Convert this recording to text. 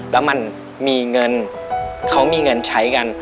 แล้วมันมีเงินเขามีเงินใช้กัน